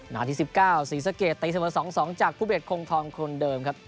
อันดับ๑๙ศรีสะเกตตายเสมอ๒๒จากภูเบชโครงทองคนเดิมครับ